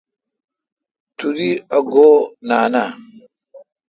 تو دی ا گو°نان آہ۔